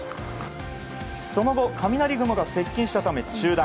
その後、雷雲が接近したため中断。